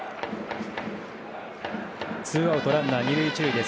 ツーアウトランナー２塁１塁です。